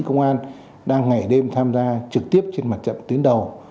công an đang ngày đêm tham gia trực tiếp trên mặt trận tuyến đầu